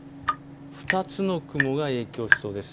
２つの雲が影響しそうです。